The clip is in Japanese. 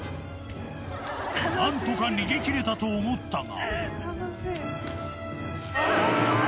なんとか逃げきれたと思ったが。